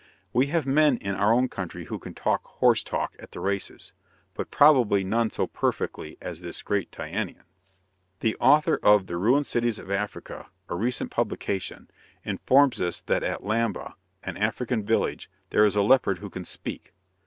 We have men in our own country who can talk "horse talk" at the races, but probably none so perfectly as this great Tyanean. The author of "The Ruined Cities of Africa," a recent publication, informs us that at Lamba, an African village, there is a leopard who can "speak."